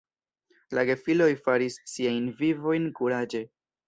La gefiloj faris siajn vivojn kuraĝe.